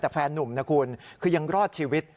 แต่แฟนนุ่มนะคุณคือยังรอดชีวิต